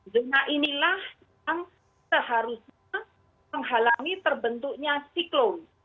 zona inilah yang seharusnya menghalangi terbentuknya siklon